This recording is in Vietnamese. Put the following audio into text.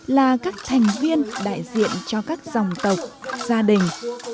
là các thành viên đại diện cho các dòng tộc gia đình